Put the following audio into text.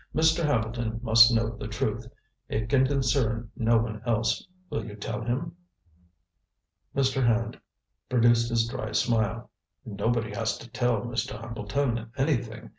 Mr. Hambleton must know the truth. It can concern no one else. Will you tell him?" Mr. Hand produced his dry smile. "Nobody has to tell Mr. Hambleton anything.